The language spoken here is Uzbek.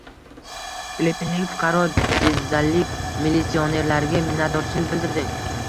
Filipinlik fuqaro jizzalik militsionerlarga minnatdorchilik bildirdi